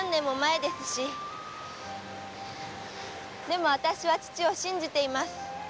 でもあたしは父を信じています。